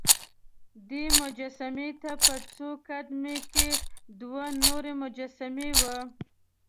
دې مجسمې ته په څو قد مې کې دوه نورې مجسمې وې.